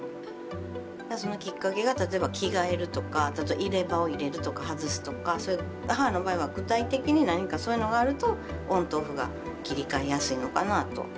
そのきっかけが例えば着替えるとか入れ歯を入れるとか外すとかそういう母の場合は具体的に何かそういうのがあるとオンとオフが切り替えやすいのかなと。